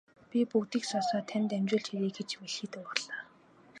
Би бүгдийг сонсоод танд дамжуулж хэлье гэж мэлхий дуугарлаа.